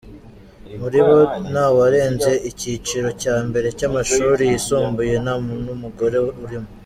Muri bo ntawarenze icyiciro cya mbere cy’amashuri yisumbuye, nta n’umugore urimo.